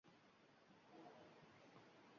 Ammo men u yerda mo‘’jizaviy olmalarni ko‘rdim.